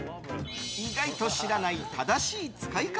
意外と知らない正しい使い方